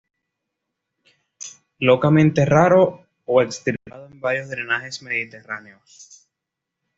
Localmente raro o extirpado en varios drenajes mediterráneos.